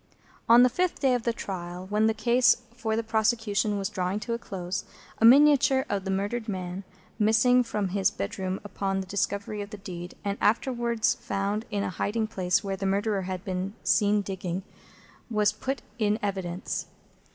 On the fifth day of the trial, when the case for the prosecution was drawing to a close, a miniature of the murdered man, missing from his bedroom upon the discovery of the deed, and afterwards found in a hiding place where the Murderer had been seen digging, was put in evidence.